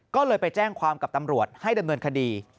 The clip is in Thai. ก็เลยไปแจ้งความกับตำรวจให้ดำเนินคดี